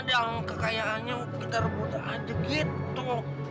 dan kekayaannya kita rebut aja gitu